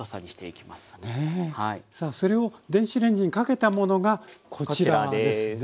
さあそれを電子レンジにかけたものがこちらですね。